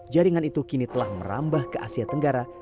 jaringan itu kini telah merambah ke asia tenggara